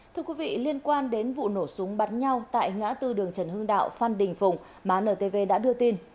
thưa quý vị liên quan đến vụ nổ súng bắt nhau tại ngã tư đường trần hương đạo phan đình phùng mà ntv đã đưa tin